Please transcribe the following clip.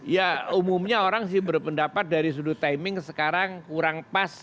ya umumnya orang sih berpendapat dari sudut timing sekarang kurang pas